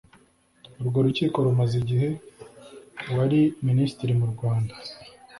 urwo rukiko rumaze igihe wari minisitiri mu rwanda